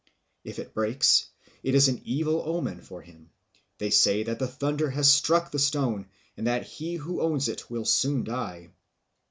If it breaks, it is an evil omen for him; they say that the thunder has struck the stone and that he who owns it will soon die.